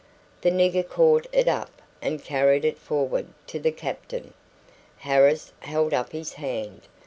The nigger caught it up and carried it forward to the captain. Harris held up his hand.